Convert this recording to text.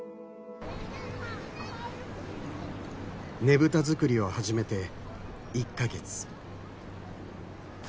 ねぶた作りを始めて１か月。